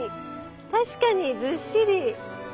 確かにずっしり。